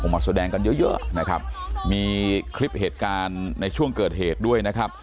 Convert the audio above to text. มาแสดงกันเยอะมีคลิปเหตุการณ์ในช่วงเกิดเหตุด้วย